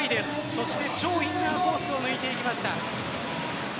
そして超インナーコースを抜いていきました。